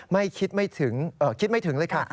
ไม่คิดไม่ถึงคิดไม่ถึงเลยค่ะ